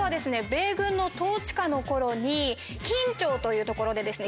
米軍の統治下の頃に金武町というところでですね